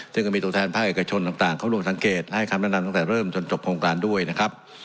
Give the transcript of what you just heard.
ซึ่งก็มีตัวแทนภาคเอกชนต่างเข้าร่วมสังเกตให้คำแนะนำตั้งแต่เริ่มจนจบโครงการด้วยนะครับ